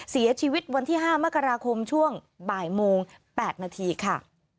เสียชีวิตวันที่๕มกราคมช่วงบ่ายโมง๘นาทีค่ะ